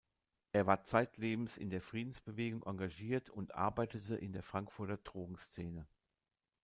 Er war zeitlebens in der Friedensbewegung engagiert und arbeitete in der Frankfurter Drogenszene.